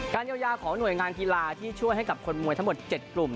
เยียวยาของหน่วยงานกีฬาที่ช่วยให้กับคนมวยทั้งหมด๗กลุ่ม